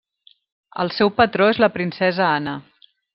El seu patró és la princesa Anna.